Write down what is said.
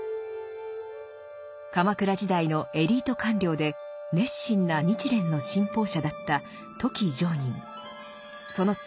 鎌倉時代のエリート官僚で熱心な日蓮の信奉者だったその妻